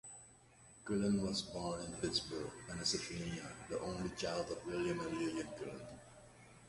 Cullen was born in Pittsburgh, Pennsylvania, the only child of William and Lillian Cullen.